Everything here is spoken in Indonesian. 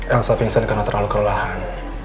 elsa vincent kena terlalu kelahan